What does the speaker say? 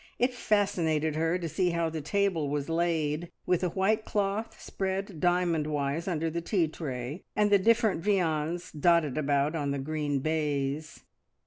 It fascinated her to see how the table was laid, with a white cloth spread diamond wise under the tea tray, and the different viands dotted about on the green baize.